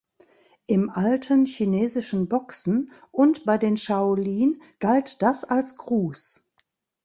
Im alten chinesischen Boxen und bei den Shaolin galt das als Gruß.